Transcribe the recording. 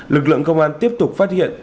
lực lượng công an tiếp tục phát hiện